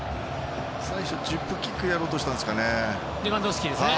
最初、チップキックをやろうとしたんですかね。